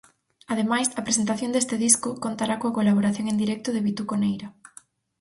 Ademais, a presentación deste disco contará coa colaboración en directo de Vituco Neira.